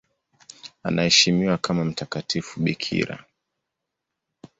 Anaheshimiwa kama mtakatifu bikira.